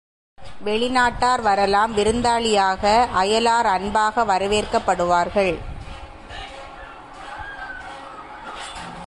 வெளிநாட்டார் வரலாம், விருந்தாளிகளாக, அயலார் அன்பாக வரவேற்கப்படுவார்கள்.